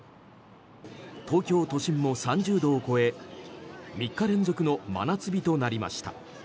東京都心も３０度を超え３日連続の真夏日となりました。